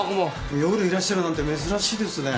夜いらっしゃるなんて珍しいですね。